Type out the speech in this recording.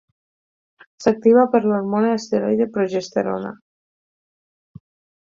S'activa per l'hormona esteroide progesterona.